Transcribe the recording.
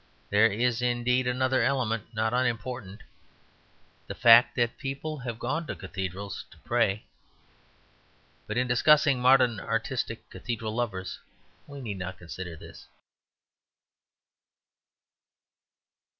There is, indeed, another element, not unimportant: the fact that people have gone to cathedrals to pray. But in discussing modern artistic cathedral lovers, we need not consider this.